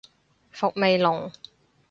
伏味濃